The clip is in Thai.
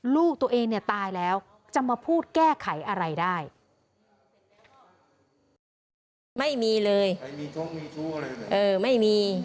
ลูกตัวเองตายแล้วจะมาพูดแก้ไขอะไรได้